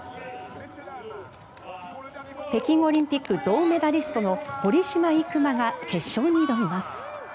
北京オリンピック銅メダリストの堀島行真が決勝に挑みます。